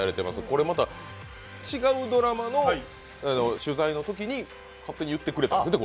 これ、また違うドラマの取材のときに勝手に言ってくれたんですね。